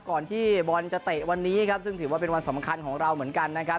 ก่อนที่บอลจะเตะวันนี้ครับซึ่งถือว่าเป็นวันสำคัญของเราเหมือนกันนะครับ